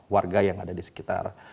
warga yang ada di sekitar